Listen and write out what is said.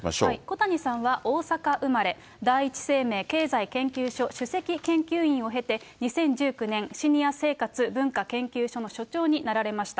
小谷さんは大阪生まれ、第一生命経済研究所主席研究員を経て、２０１９年、シニア生活文化研究所の所長になられました。